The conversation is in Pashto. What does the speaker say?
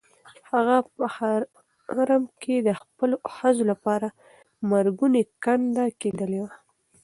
هغه په حرم کې د خپلو ښځو لپاره مرګونې کنده کیندلې وه.